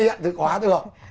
nó yên ảnh thực hóa được